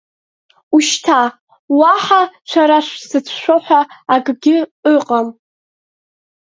Ушьҭа, уаҳа шәара шәзыцәшәо ҳәа акгьы ыҟам.